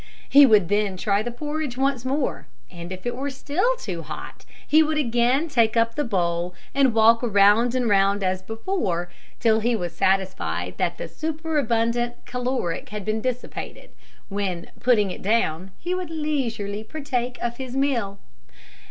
He would then try the porridge once more, and if it were still too hot he would again take up the bowl and walk round and round as before, till he was satisfied that the superabundant caloric had been dissipated, when, putting it down, he would leisurely partake of his meal.